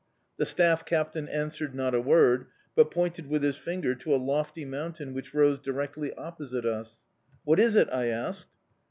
The staff captain answered not a word, but pointed with his finger to a lofty mountain which rose directly opposite us. "What is it?" I asked.